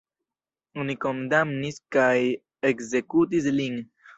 Oni kondamnis kaj ekzekutis lin.